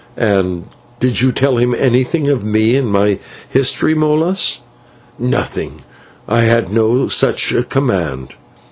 "And did you tell him anything of me and my history, Molas?" "Nothing; I had no such command.